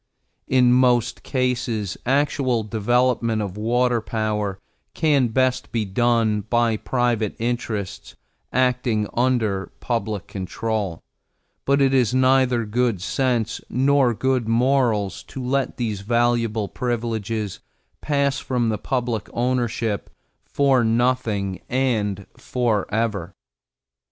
In most cases actual development of water power can best be done by private interests acting under public control, but it is neither good sense nor good morals to let these valuable privileges pass from the public ownership for nothing and forever.